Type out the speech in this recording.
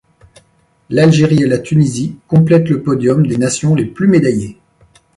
L'Algérie et la Tunisie complètent le podium des nations les plus médaillées.